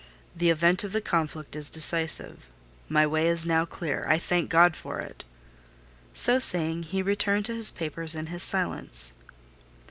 The event of the conflict is decisive: my way is now clear; I thank God for it!" So saying, he returned to his papers and his silence.